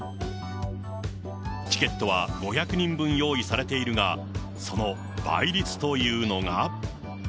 チケットは５００人分用意されているが、その倍率というのが。